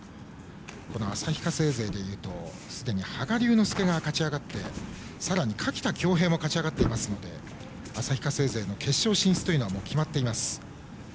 旭化成勢でいうとすでに羽賀龍之介が勝ち上がってさらに垣田恭兵も勝ち上がっていますので旭化成勢の決勝進出は決まっています。